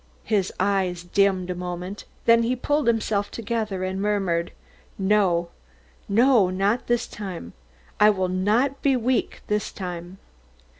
His eyes dimmed a moment, then he pulled himself together and murmured: "No, no, not this time. I will not be weak this time."